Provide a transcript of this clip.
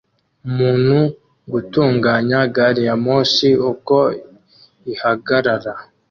Umuntu gutunganya gari ya moshi uko ihagarara